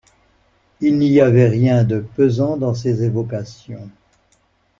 Il n’y avait rien de pesant dans ces évocations.